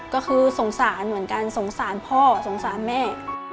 ก็คือสงสารเหมือนกันสงสารพ่อสงสารแม่